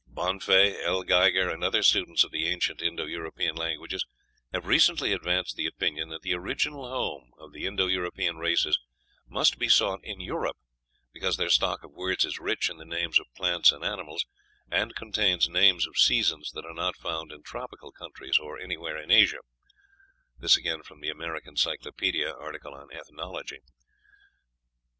"Bonfey, L. Geiger, and other students of the ancient Indo European languages, have recently advanced the opinion that the original home of the Indo European races must be sought in Europe, because their stock of words is rich in the names of plants and animals, and contains names of seasons that are not found in tropical countries or anywhere in Asia." ("American Cyclopædia," art. Ethnology.)